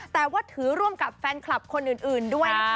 แต่ว่าถือร่วมกับแฟนคลับคนอื่นด้วยนะคะ